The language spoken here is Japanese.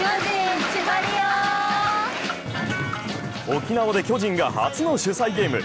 沖縄で巨人が初の主催ゲーム。